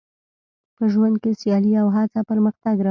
په ژوند کې سیالي او هڅه پرمختګ راولي.